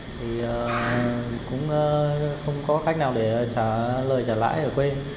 thì cũng không có khách nào để trả lời trả lãi ở quê